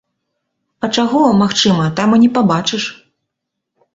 А чаго, магчыма, там і не пабачыш?